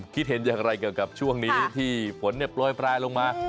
คิดเห็นอย่างไรเกี่ยวกับช่วงนี้ที่ฝนโปรยปลายลงมา